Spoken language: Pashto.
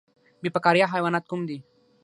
بې فقاریه حیوانات کوم دي؟